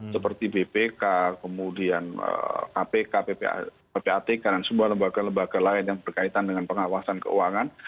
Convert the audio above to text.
seperti bpk kemudian kpk ppatk dan semua lembaga lembaga lain yang berkaitan dengan pengawasan keuangan